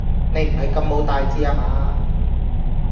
你唔係咁冇大志呀嘛？